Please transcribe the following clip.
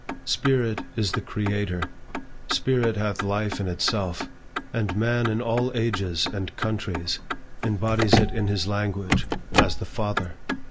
Spirit is the Creator. Spirit hath life in itself. And man in all ages and countries, embodies it in his language, as the FATHER.